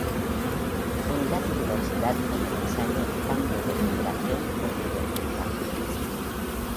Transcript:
Unidad y Diversidad" con el ensayo: "Cambio de generación o degeneración.